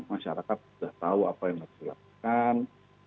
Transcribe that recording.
masyarakat sudah tahu apa yang harus dilakukan